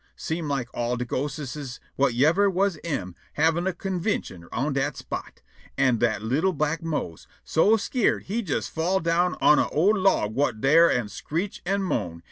Seem' like all de ghosteses whut yever was am havin' a convintion on dat spot. An' dat li'l' black Mose so skeered he jes fall' down on a' old log whut dar an' screech' an' moan'.